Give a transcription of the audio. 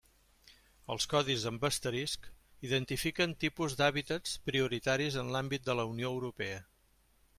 Els codis amb asterisc identifiquen tipus d'hàbitats prioritaris en l'àmbit de la Unió Europea.